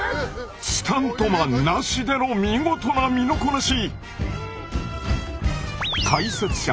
スタントマンなしでの見事な身のこなし！